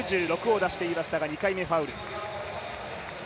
７ｍ９６を出していましたが２回目ファウル。